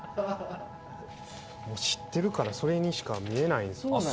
もう知ってるからそれにしか見えないんですよね。